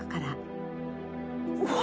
うわ！